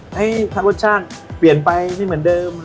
เฮ้ยพระรวชช่างเปลี่ยนไปไม่เหมือนเดิม